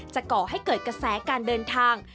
ก่อให้เกิดกระแสการเดินทาง